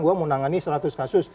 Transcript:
gue mau menangani seratus kasus